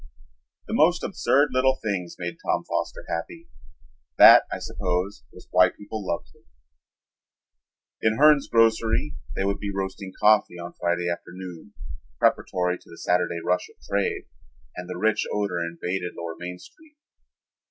The most absurd little things made Tom Foster happy. That, I suppose, was why people loved him. In Hern's Grocery they would be roasting coffee on Friday afternoon, preparatory to the Saturday rush of trade, and the rich odor invaded lower Main Street.